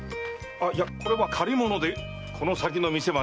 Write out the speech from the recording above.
いやこれは借り物でこの先の店まで返しに。